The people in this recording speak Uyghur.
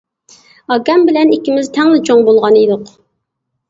ئاكام بىلەن ئىككىمىز تەڭلا چوڭ بولغان ئىدۇق.